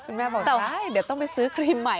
คุณแม่บอกแต่ว่าเดี๋ยวต้องไปซื้อครีมใหม่